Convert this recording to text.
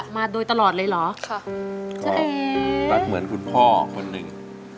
มาโดยตลอดเลยเหรอค่ะรักเหมือนคุณพ่อคนหนึ่ง